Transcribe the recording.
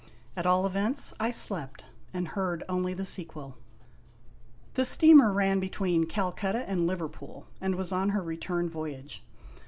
At all events, I slept, and heard only the sequel. The steamer ran between Calcutta and Liverpool, and was on her return voyage.